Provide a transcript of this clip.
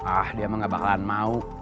ah dia mah gak bakalan mau